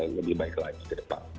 yang lebih baik lagi ke depan